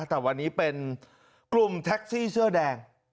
แต่วันนี้เป็นกลุ่มแท็กซี่เสื้อแดง